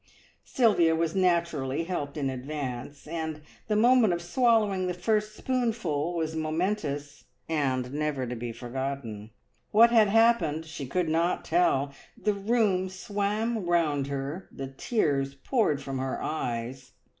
Sylvia was naturally helped in advance, and the moment of swallowing the first spoonful was momentous, and never to be forgotten. What had happened she could not tell; the room swam round her, the tears poured from her eyes.